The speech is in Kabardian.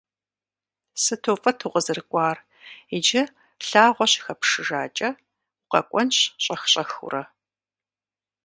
Сыту фӏыт укъызэрыкӏуар. Иджы лъагъуэ щыхэпшыжакӏэ, укъэкӏуэнщ щӏэх-щӏэхыурэ.